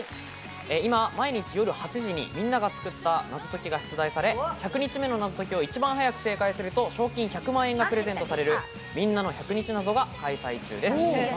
今、毎日夜８時に皆が作った謎解きが出題され、１００日目の謎解きを一番早く正解すると賞金１００万円がプレゼントされる「みんなの１００日謎」が開催中です。